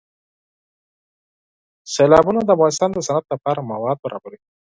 سیلابونه د افغانستان د صنعت لپاره مواد برابروي.